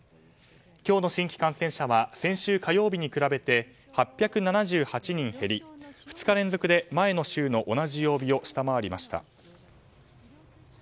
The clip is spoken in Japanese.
今日の新規感染者は先週火曜日に比べて８７８人減り２日連続で前の週の同じ曜日を下回りました。